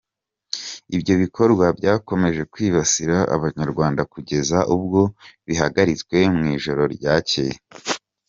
Ibyo bikorwa byakomeje kwibasira Abanyarwanda kugeza ubwo bihagaritswe mu ijoro ryacyeye.